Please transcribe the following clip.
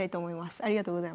ありがとうございます。